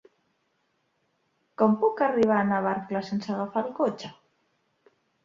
Com puc arribar a Navarcles sense agafar el cotxe?